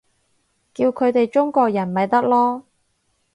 叫佢哋中國人咪得囉